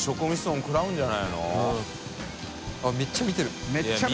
めっちゃ見てる。